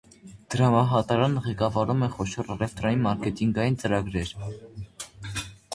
Դրամահատարանը ղեկավարում է խոշոր առևտրային մարկետինգային ծրագրեր։